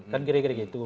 kan kira kira gitu